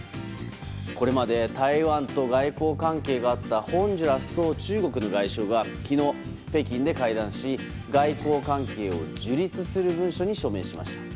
これまで台湾と外交関係があったホンジュラスと中国の外相が昨日、北京で会談し外交関係を樹立する文書に署名しました。